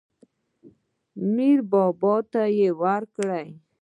میر بابا ته یې ورکړ.